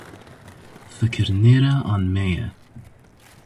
Fikir nêr e an mê ye?